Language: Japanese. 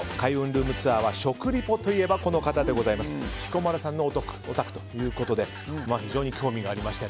ルームツアー！は食リポといえばこの方でございます彦摩呂さんのお宅ということで非常に興味がありました。